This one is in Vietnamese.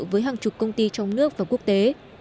với hàng chục công ty trong nước và quốc tế